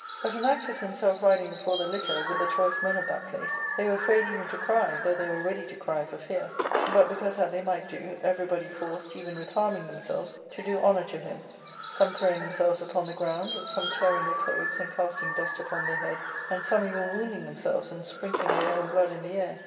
But Anaxius himself riding before the litter, with the choice men of that place, they were afraid even to cry, though they were ready to cry for fear, but because that they might do, everybody forced, even with harming themselves, to do honour to him, some throwing themselves upon the ground, some tearing their clothes and casting dust upon their heads, and some even wounding themselves and sprinkhng their own blood in the air.